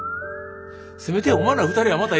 せめておまんら２人はまた。